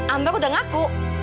ambar udah ngaku